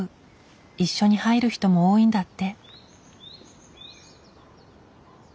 一緒に入る人も多いんだって。